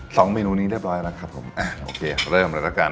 ๒ไปกันแล้วครับโอเคเริ่มแล้วกัน